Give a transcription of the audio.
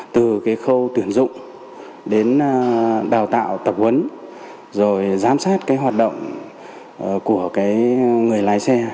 từ cái khâu tuyển dụng đến đào tạo tập huấn rồi giám sát cái hoạt động của người lái xe